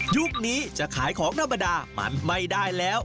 ยุคนี้จะขายของธรรมดามันไม่ได้แล้ว